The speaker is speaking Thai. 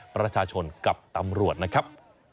ประชาชนกับตำรวจนะครับ